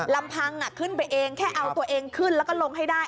ลำพังขึ้นไปเองแค่เอาตัวเองขึ้นแล้วก็ลงให้ได้